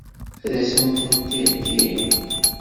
Ad sen-tent-id-theggi?